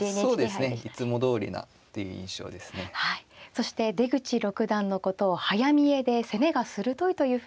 そして出口六段のことを早見えで攻めが鋭いというふうにおっしゃってました。